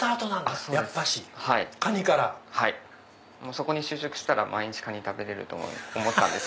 そこに就職したら毎日カニ食べれると思ったんで。